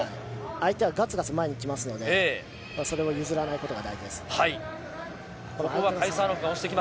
相手はガツガツ前にきますので、譲らないことが大事です。